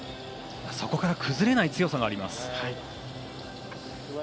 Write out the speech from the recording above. そこから崩れない強さがあります。